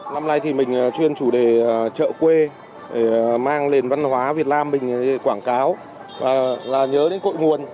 năm nay thì mình chuyên chủ đề chợ quê để mang nền văn hóa việt nam mình quảng cáo và nhớ đến cội nguồn